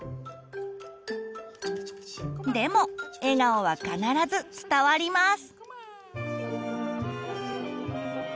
でも笑顔は必ず伝わります。